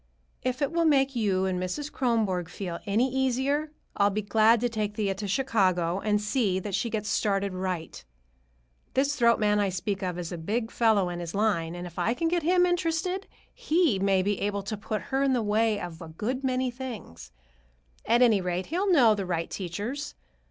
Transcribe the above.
If it will make you and Mrs. Kronborg feel any easier, I'll be glad to take Thea to Chicago and see that she gets started right. This throat man I speak of is a big fellow in his line, and if I can get him interested, he may be able to put her in the way of a good many things. At any rate, he'll know the right teachers.